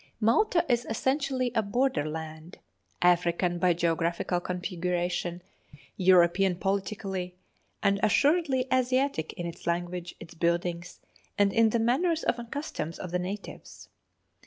Malta is essentially a border land African by geographical configuration, European politically, and assuredly Asiatic in its language, its buildings, and in the manners and customs of the natives.